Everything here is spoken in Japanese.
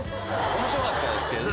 面白かったですけどね。